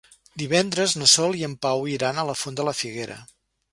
Divendres na Sol i en Pau iran a la Font de la Figuera.